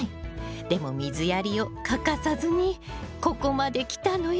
でも水やりを欠かさずにここまできたのよ！